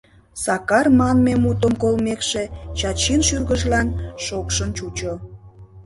«Сакар» манме мутым колмекше, Чачин шӱргыжлан шокшын чучо...